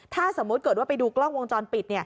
ถ้าสมมุติเกิดว่าไปดูกล้องวงจรปิด